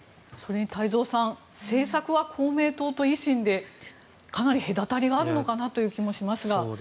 太蔵さん政策は公明党と維新でかなり隔たりがあるのかなという気もしますが。